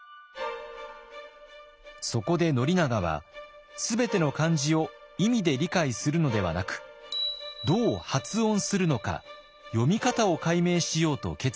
そこで宣長は全ての漢字を意味で理解するのではなくどう発音するのか読み方を解明しようと決意しました。